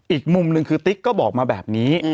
อีกมุมหนึ่งคือติ๊กก็บอกมาแบบนี้